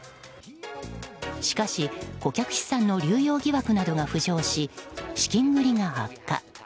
しかし顧客資産の流用疑惑などが浮上し資金繰りが悪化。